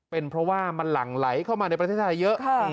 เป็นเพราะว่ามันหลั่งไหลเข้ามาในประเทศไทยเยอะ